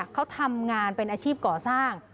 เขาทำงานเป็นอาชีพก่อสร้าง